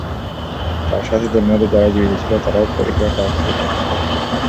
তার সাথিদের মধ্যে যারা জীবিত ছিল, তারাও পরিখা পার হতে সক্ষম হয়।